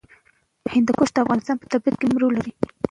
هندوکش د افغانستان په طبیعت کې مهم رول لري.